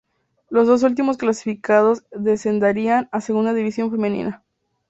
Los dos últimos clasificados descenderían a Segunda División Femenina.